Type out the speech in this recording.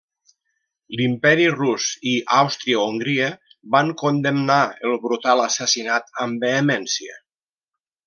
L'Imperi rus i Àustria-Hongria van condemnar el brutal assassinat amb vehemència.